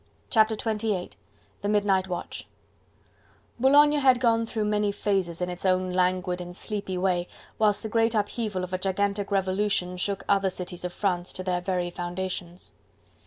Chapter XXVIII: The Midnight Watch Boulogne had gone through many phases, in its own languid and sleepy way, whilst the great upheaval of a gigantic revolution shook other cities of France to their very foundations.